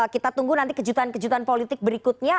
kita tunggu nanti kejutan kejutan politik berikutnya